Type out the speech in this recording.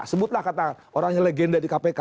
sebutlah kata orang yang legenda di kpk